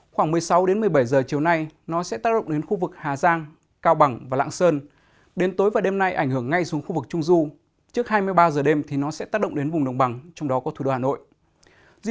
khoảng một mươi sáu đến một mươi bảy giờ chiều nay nó sẽ tác động đến khu vực hà giang cao bằng và lạng sơn đến tối và đêm nay ảnh hưởng ngay xuống khu vực trung du trước hai mươi ba giờ đêm thì nó sẽ tác động đến vùng đồng bằng trong đó có thủ đô hà nội